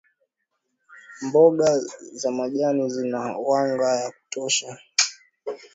mboga za majani zina wanga ya kutosha